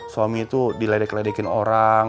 suami itu diledek ledekin orang